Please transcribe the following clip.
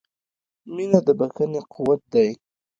• مینه د بښنې قوت دی.